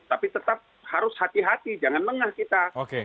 tapi tetap harus hati hati jangan lengah kita